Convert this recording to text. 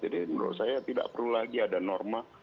jadi menurut saya tidak perlu lagi ada norma